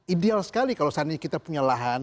ideal sekali kalau saat ini kita punya lahan